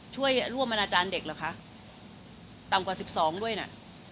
ช่วยร่วมอนาจารย์เด็กเหรอคะต่ำกว่า๑๒ด้วยน่ะ